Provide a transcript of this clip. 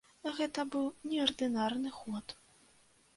Гэта быў неардынарны ход.